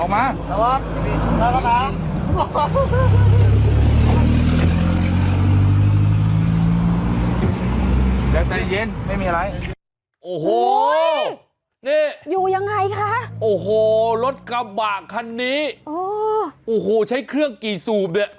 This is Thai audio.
มาน้องมาโอ้ฮู้